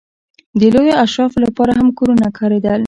د لویو اشرافو لپاره هم کورونه کارېدل.